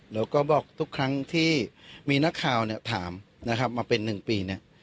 แล้วก็บอกทุกครั้งที่มีนักข่าวเนี่ยถามนะครับมาเป็น๑ปีเนี่ย